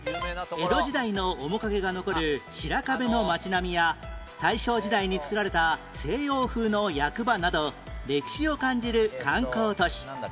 江戸時代の面影が残る白壁の町並みや大正時代に作られた西洋風の役場など歴史を感じる観光都市